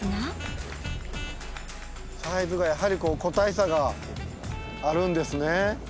サイズがやはりこう個体差があるんですね。